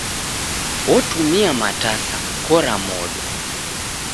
Otumia matasa kukora modo.